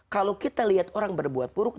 kalau kita lihat orang berbuat buruk